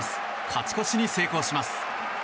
勝ち越しに成功します。